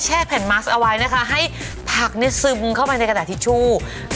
ให้ผักซึมเข้าไปในกระดาษทิชชู